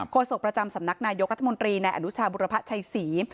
โศกประจำสำนักนายกรัฐมนตรีนายอนุชาบุรพชัยศรี